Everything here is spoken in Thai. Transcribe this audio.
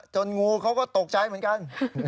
งูเขาก็ตกใจเหมือนกัน